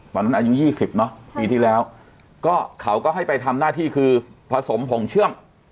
อายุ๒๐เนอะปีที่แล้วก็เขาก็ให้ไปทำหน้าที่คือผสมผงเชื่อม